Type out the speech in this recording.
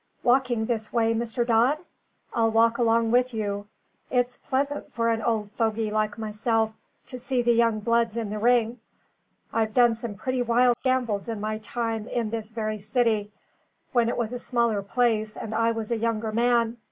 Walking this way, Mr. Dodd? I'll walk along with you. It's pleasant for an old fogy like myself to see the young bloods in the ring; I've done some pretty wild gambles in my time in this very city, when it was a smaller place and I was a younger man.